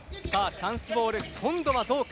チャンスボール、今度はどうか。